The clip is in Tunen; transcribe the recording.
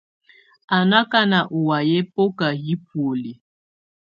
Á nɔ̀ akanà ù wayɛ̀á ɛbɔka yi bɔ̀óli.